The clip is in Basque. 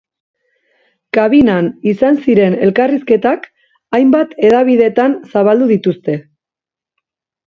Kabinan izan ziren elkarrizketak hainbat hedabidetan zabaldu dituzte.